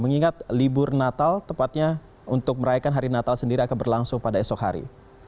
mengingat libur natal tepatnya untuk merayakan hari natal sendiri akan berlangsung pada esok hari